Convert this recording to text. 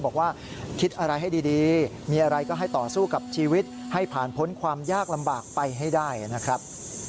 บอกว่าคิดอะไรให้ดีมีอะไรก็ให้ต่อสู้กับชีวิตให้ผ่านพ้นความยากลำบากไปให้ได้นะครับ